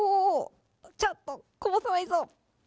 ちょっとこぼさないぞ。